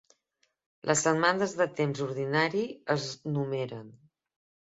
Les setmanes de temps ordinari es numeren.